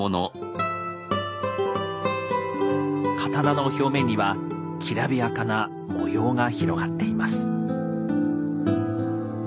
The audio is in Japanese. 刀の表面にはきらびやかな模様が広がっています。